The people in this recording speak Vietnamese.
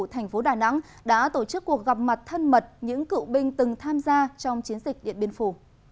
thành phố đà nẵng đã tổ chức cuộc gặp mặt thân mật những cựu binh từng tham gia trong chiến dịch điện biên phủ